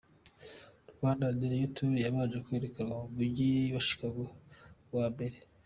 Rwanda: The Royal Tour yabanje kwerekanwa mu Mujyi wa Chicago ku wa Mbere.